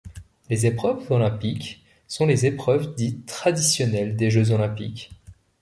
Les épreuves olympiques sont les épreuves dites traditionnelles des jeux olympiques.